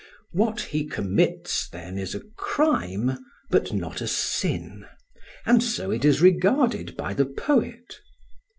What he commits, then, is a crime, but not a sin; and so it is regarded by the poet.